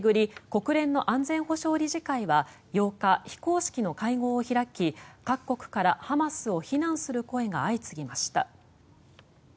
国連の安全保障理事会は８日、非公式の会合を開き各国からハマスを非難する声が相次ぎました。